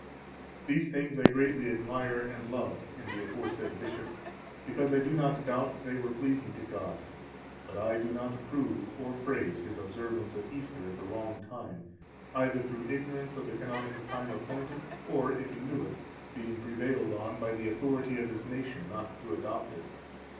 These things I greatly admire and love in the aforesaid bishop, because I do not doubt that they were pleasing to God; but I do not approve or praise his observance of Easter at the wrong time, either through ignorance of the canonical time appointed, or, if he knew it, being prevailed on by the authority of his nation not to adopt it.